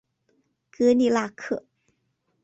戈利纳克。